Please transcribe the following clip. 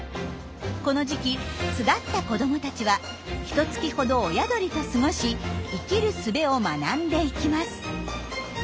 この時期巣立った子どもたちはひと月ほど親鳥と過ごし生きるすべを学んでいきます。